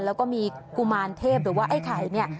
แล้วก็มีกุมารเทพหรือว่าไอ้ไข่เนี่ย